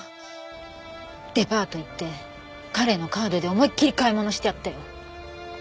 デパート行って彼のカードで思いっ切り買い物してやったよ。